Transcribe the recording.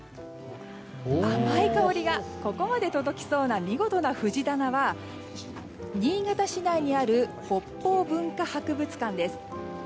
甘い香りがここまで届きそうな見事な藤棚は新潟市内にある北方文化博物館です。